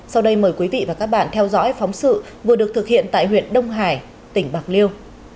sau đây mời quý vị và các bạn theo dõi phóng sự vừa được thực hiện tại huyện đông hải tỉnh bạc liêu